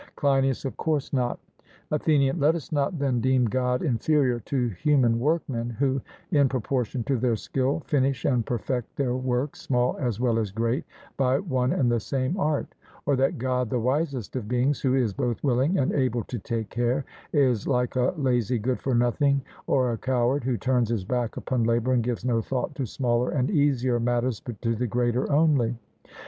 CLEINIAS: Of course not. ATHENIAN: Let us not, then, deem God inferior to human workmen, who, in proportion to their skill, finish and perfect their works, small as well as great, by one and the same art; or that God, the wisest of beings, who is both willing and able to take care, is like a lazy good for nothing, or a coward, who turns his back upon labour and gives no thought to smaller and easier matters, but to the greater only.